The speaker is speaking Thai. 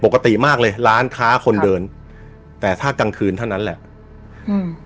ปกติมากเลยร้านค้าคนเดินแต่ถ้ากลางคืนเท่านั้นแหละอืม